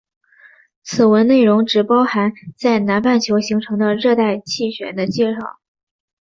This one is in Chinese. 此文内容只包含在南半球形成的热带气旋的介绍。